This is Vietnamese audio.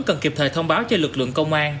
cần kịp thời thông báo cho lực lượng công an